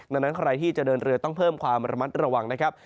ดังนั้นใครที่จะเดินเรือต้องเพิ่มความระมัดระวังนะครับ